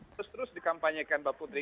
terus terus dikampanyekan mbak putri